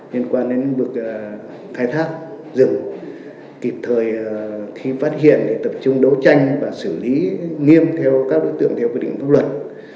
liên quan đến lĩnh vực khai thác rừng kịp thời khi phát hiện để tập trung đấu tranh và xử lý nghiêm theo các đối tượng theo quy định pháp luật